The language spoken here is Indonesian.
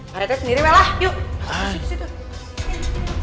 parete sendiri lah yuk